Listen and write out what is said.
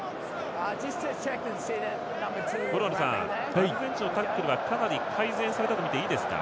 アルゼンチンのタックルはかなり改善されたとみていいですか？